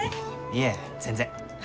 いえ全然。